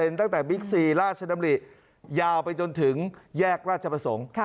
ตั้งแต่บิ๊กซีราชดำริยาวไปจนถึงแยกราชประสงค์